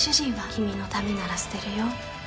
「君の為なら捨てるよ。